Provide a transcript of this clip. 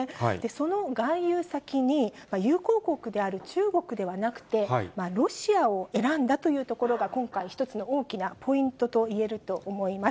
その外遊先に友好国である中国ではなくて、ロシアを選んだというところが今回、一つの大きなポイントといえると思います。